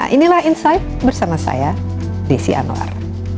inilah insight bersama saya desi anwar